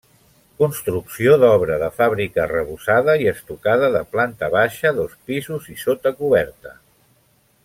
Construcció d'obra de fàbrica arrebossada i estucada de planta baixa, dos pisos i sota coberta.